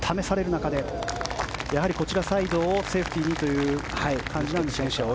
中でやはりこちらサイドをセーフティーにという感じなんでしょうか。